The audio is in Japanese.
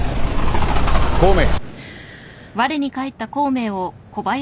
・孔明。